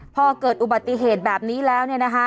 พอเกิดอุบัติเหตุแบบนี้แล้ว